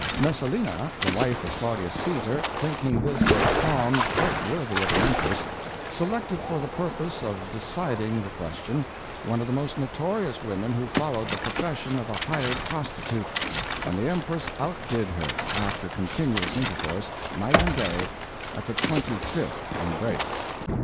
Messalina, the wife of Claudius Caesar, thinking this a palm quite worthy of an empress, selected for the purpose of deciding the question, one of the most notorious women who followed the profession of a hired prostitute; and the empress outdid her, after continuous intercourse, night and day, at the twenty fifth embrace."